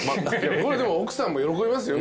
奥さんも喜びますよ